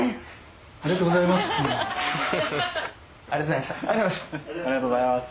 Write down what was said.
ありがとうございます。